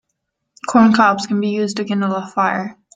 Corn cobs can be used to kindle a fire.